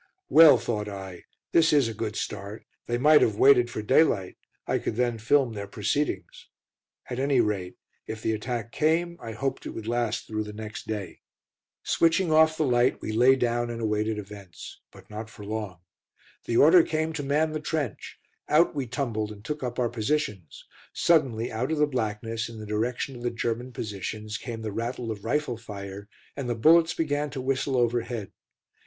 "Well," thought I, "this is a good start; they might have waited for daylight, I could then film their proceedings." At any rate, if the attack came, I hoped it would last through the next day. Switching off the light, we lay down and awaited events. But not for long. The order came to man the trench. Out we tumbled, and took up our positions. Suddenly out of the blackness, in the direction of the German positions, came the rattle of rifle fire, and the bullets began to whistle overhead.